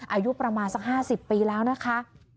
อายุประมาณสัก๕๐ปีแล้วนะคะ